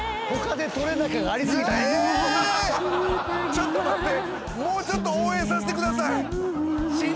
ちょっと待って。